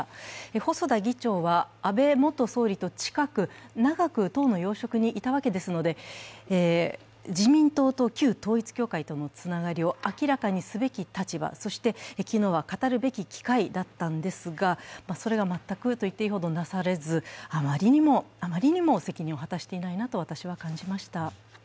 細田議長は安倍元総理と近く、長く党の要職にいたわけですので自民党と旧統一教会とのつながりを明らかにすべき立場、そして、昨日は語るべき機会だったんですが、それが全くと言っていいほどなされず、あまりにも、あまりにも説明を果たしていないと私は感じました。